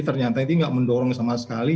ternyata itu enggak mendorong sama sekali